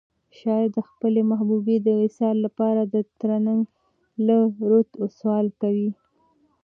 شاعر د خپلې محبوبې د وصال لپاره د ترنګ له روده سوال کوي.